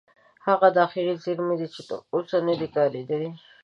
هغه داخلي زیرمه ده چې تر اوسه نه ده کارېدلې.